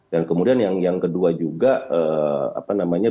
dan kemudian yang kedua juga